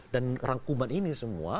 dan rangkuman ini semua